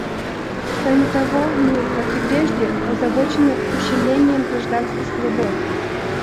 Кроме того, мы, как и прежде, озабочены ущемлением гражданских свобод.